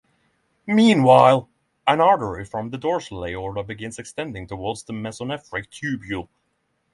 Meanwhile, an artery from the dorsal aorta begins extending towards the mesonephric tubule.